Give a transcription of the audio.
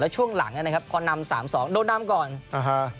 ช่วงหลังเนี้ยนะครับพอนำสามสองโดนนำก่อนอ่าฮะ